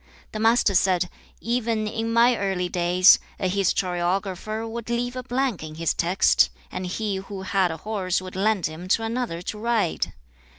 The Master said, 'Even in my early days, a historiographer would leave a blank in his text, and he who had a horse would lend him to another to ride.